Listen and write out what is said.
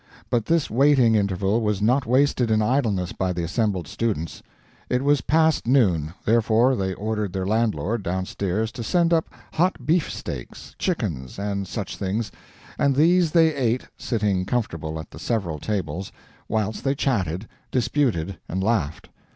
But this waiting interval was not wasted in idleness by the assembled students. It was past noon, therefore they ordered their landlord, downstairs, to send up hot beefsteaks, chickens, and such things, and these they ate, sitting comfortable at the several tables, whilst they chatted, disputed and laughed.